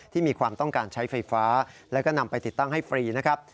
มีความต้องการใช้ไฟฟ้าแล้วก็นำไปติดตั้งให้ฟรีนะครับ